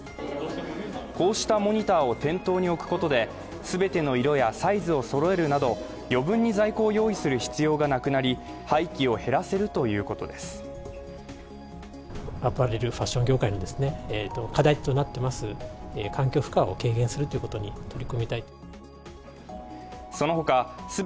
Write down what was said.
こうしたモニターを店頭に置くことで全ての色やサイズを用意するなど、余分に在庫を用意する必要がなくなり廃棄を減らせるということです。